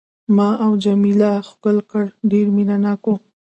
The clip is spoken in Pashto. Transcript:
ما او جميله ښکل کړل، ډېر مینه ناک وو.